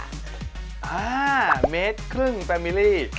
เมตรครึ่งแฟมิลี่